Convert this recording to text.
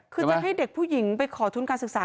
คือจะให้เด็กผู้หญิงไปขอทุนการศึกษา